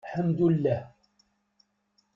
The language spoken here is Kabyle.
Ḥemdullah.